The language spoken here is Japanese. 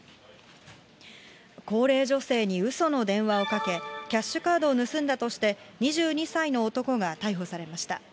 高齢女性にうその電話をかけ、キャッシュカードを盗んだとして、２２歳の男が逮捕されました。